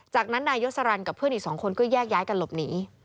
จากนั้นนายยศรันกับเพื่อนอีกสองคนก็แยกย้ายกันหลบหนี